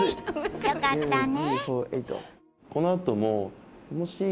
よかったね。